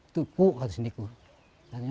itu harus dipercayai